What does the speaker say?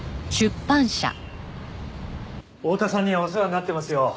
大多さんにはお世話になってますよ。